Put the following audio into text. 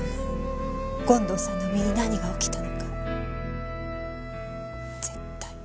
権藤さんの身に何が起きたのか絶対。